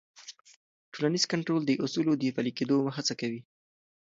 ټولنیز کنټرول د اصولو د پلي کېدو هڅه کوي.